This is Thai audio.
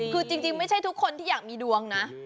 คือจริงไม่ใช่ทุกคนที่อยากมีดวงนะ